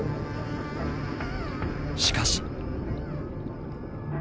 しかし。